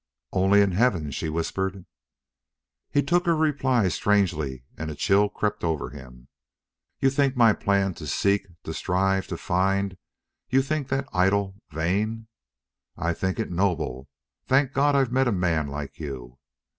"Only in heaven," she whispered. He took her reply strangely and a chill crept over him. "You think my plan to seek to strive, to find you think that idle, vain?" "I think it noble.... Thank God I've met a man like you!"